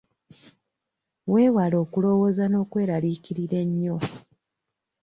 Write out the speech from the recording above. Weewale okulowooza n'okweraliikirira ennyo.